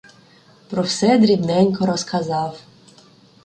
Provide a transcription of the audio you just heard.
Про все дрібненько розказав.